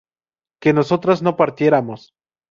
que nosotras no partiéramos